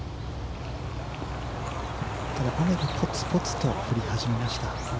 ただ雨がポツポツと降り始めました。